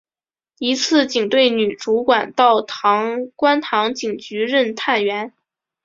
一次警队女主管到观塘警局任探员。